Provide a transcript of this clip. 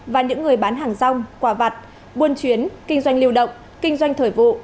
và những người bán hàng rong quả vặt buôn chuyến kinh doanh liều động kinh doanh thời vụ